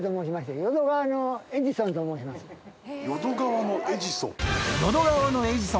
淀川のエジソン？